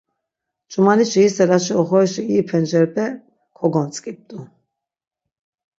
Ç̆umanişi yiselaşi oxorişi iri pencerepe kogontzk̆ip̆t̆u.